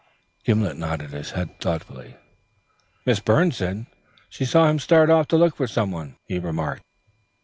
Gimblet nodded his head thoughtfully. "Miss Byrne said she saw him start off to look for some one," he remarked.